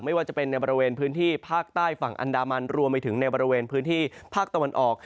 ไม่ว่าจะเป็นในบริเวณพื้นที่ภาคใต้ฝั่งอันดามันรวมไปถึงในบริเวณพื้นที่ภาคตะวันออก